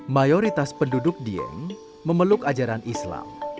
mayoritas penduduk dieng memeluk ajaran islam